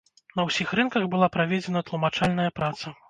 На ўсіх рынках была праведзена тлумачальная праца.